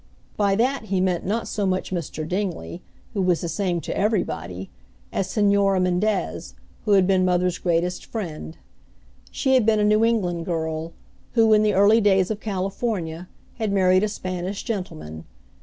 By that he meant not so much Mr. Dingley, who was the same to everybody, as Señora Mendez, who had been mother's greatest friend. She had been a New England girl, who, in the early days of California, had married a Spanish gentleman.